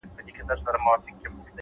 صبر د ناوخته بریا راز دی’